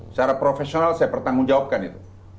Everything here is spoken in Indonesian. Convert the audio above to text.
secara profesional saya bertanggung jawabkan itu